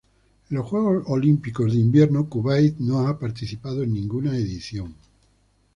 En los Juegos Olímpicos de Invierno Kuwait no ha participado en ninguna edición.